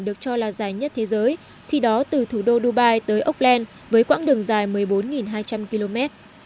được cho là dài nhất thế giới khi đó từ thủ đô dubai tới okland với quãng đường dài một mươi bốn hai trăm linh km